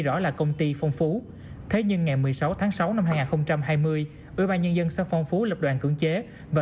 rõ là công ty phong phú thế nhưng ngày một mươi sáu tháng sáu năm hai nghìn hai mươi ubnd xã phong phú lập đoàn cưỡng chế và